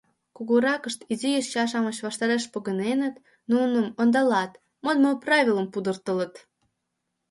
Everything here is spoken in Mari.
Кугуракышт изи йоча-шамыч ваштареш погыненыт, нуным ондалат, модмо правилым пудыртылыт.